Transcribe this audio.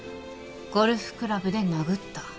ゴルフクラブで殴った。